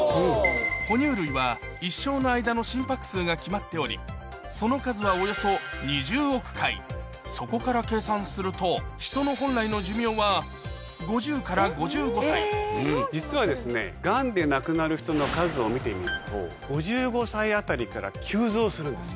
哺乳類は一生の間の心拍数が決まっておりその数はそこから計算すると実はがんで亡くなる人の数を見てみると５５歳あたりから急増するんです。